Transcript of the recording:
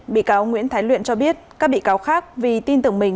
bị cáo nguyễn thái luyện cho biết các bị cáo khác vì tin tưởng mình